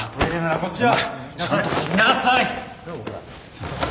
すいません。